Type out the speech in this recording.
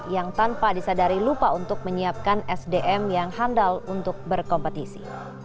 yang tanpa disadari lupa untuk menyiapkan sdm yang handal untuk berkompetisi